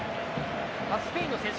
スペインの選手